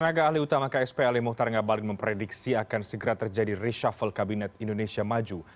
tenaga ahli utama ksp ali muhtar ngabalin memprediksi akan segera terjadi reshuffle kabinet indonesia maju